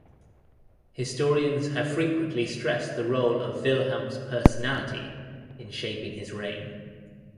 Historians have frequently stressed the role of Wilhelm's personality in shaping his reign.